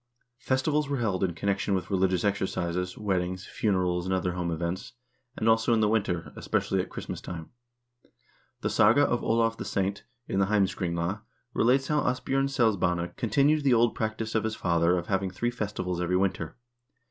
Festivals were held in connection with religious exercises, weddings, funerals, and other home events, and also in the winter, especially at Christmas time. The "Saga of Olav the Saint," in the "Heims kringla," relates how Asbj0rn Selsbane continued the old practice of his father of having three festivals every winter.